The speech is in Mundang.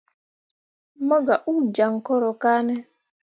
Mo gah uu jaŋ koro kane.